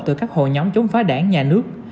từ các hội nhóm chống phá đảng nhà nước